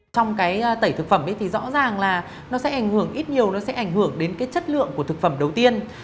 trong tẩy thực phẩm rõ ràng là ít nhiều sẽ ảnh hưởng đến chất lượng của thực phẩm đầu tiên